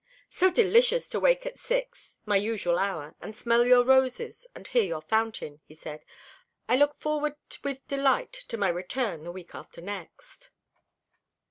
"So delicious to wake at six my usual hour and smell your roses, and hear your fountain," he said. "I look forward with delight to my return the week after next."